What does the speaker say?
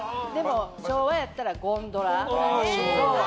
昭和やったらゴンドラ。